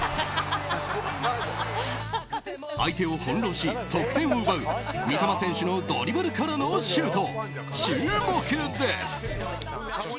相手を翻弄し、得点を奪う三笘選手のドリブルからのシュート注目です。